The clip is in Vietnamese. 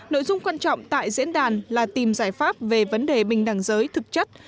nội dung quan trọng tại diễn đàn là tìm giải pháp về vấn đề bình đẳng giới thực chất